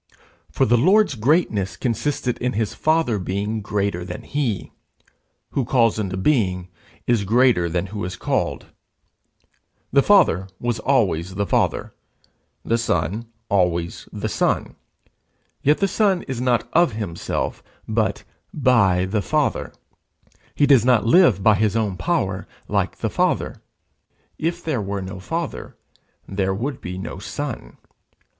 For the Lord's greatness consisted in his Father being greater than he: who calls into being is greater than who is called. The Father was always the Father, the Son always the Son; yet the Son is not of himself, but by the Father; he does not live by his own power, like the Father. If there were no Father, there would be no Son.